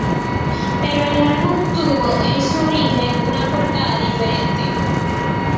Pero el álbum tuvo, en su origen, una portada diferente.